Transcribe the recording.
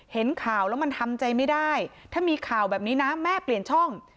เห็นข่าวแล้วมันทำใจไม่ได้ถ้ามีข่าวแบบนี้นะแม่เปลี่ยนช่อง